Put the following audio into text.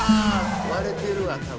割れてるわ多分。